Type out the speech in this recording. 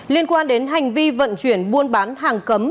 liên quan đến hành vi vận chuyển buôn bán hàng cấm